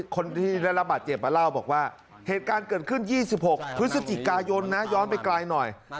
คนที่ได้รับบาดเจ็บมาเล่าบอกว่าเหตุการณ์เกิดขึ้น๒๖พฤศจิกายนนะย้อนไปไกลหน่อย